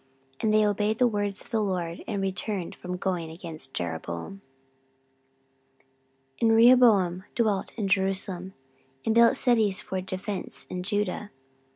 And they obeyed the words of the LORD, and returned from going against Jeroboam. 14:011:005 And Rehoboam dwelt in Jerusalem, and built cities for defence in Judah.